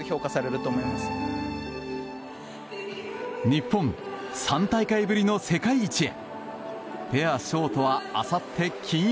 日本、３大会ぶりの世界一へ。